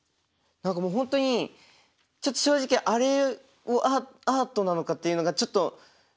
何かもう本当にちょっと正直あれもアートなのかっていうのがちょっと。